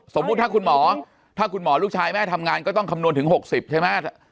สมมุติถ้าคุณหมอถ้าคุณหมอลูกชายแม่ทำงานก็ต้องคำนวณถึง๖๐ใช่ไหม